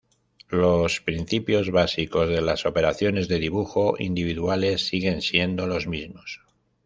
Los principios básicos de las operaciones de dibujo individuales siguen siendo los mismos.